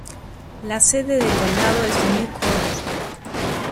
La sede del condado es New Cordell.